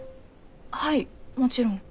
はいもちろん。